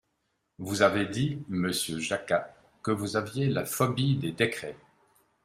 Vous avez dit, monsieur Jacquat, que vous aviez la phobie des décrets.